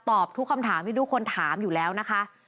ทุกคำถามที่ทุกคนถามอยู่แล้วนะคะ